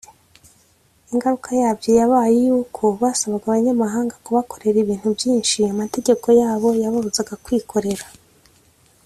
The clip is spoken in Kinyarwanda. . Ingaruka yabyo yabaye iy’uko basabaga Abanyamahanga kubakorera ibintu byinshi amategeko yabo yababuzaga kwikorera.